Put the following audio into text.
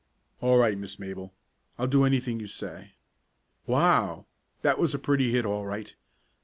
"All right Miss Mabel. I'll do anything you say. Wow! That was a pretty hit all right.